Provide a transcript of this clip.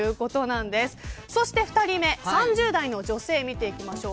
そして２人目３０代の女性見ていきましょう。